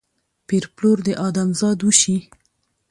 پېر پلور د ادم ذات وشي